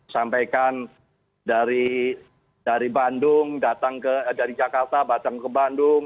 sampaikan dari bandung datang ke jakarta datang ke bandung